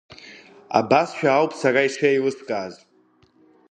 Абасшәа ауп сара ишеилыскааз.